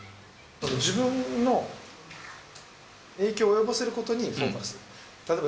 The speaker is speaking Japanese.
自分の影響を及ぼせることにフォーカスする。